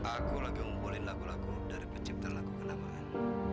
aku lagi ngumpulin lagu lagu dari penciptan lagu kenaman